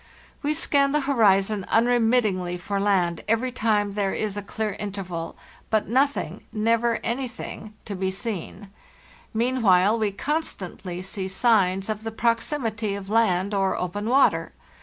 "We scan the horizon unremittingly for Jand every time there is a clear interval; but nothing, never any thing, to be seen. Meanwhile we constantly see signs of the proximity of land or open water.